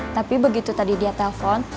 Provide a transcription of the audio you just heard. tapi begitu tadi dia telpon